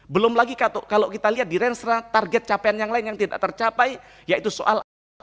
belum lagi kalau kita lihat di rangera target capaian yang lain yang tidak tercapai yaitu soal apa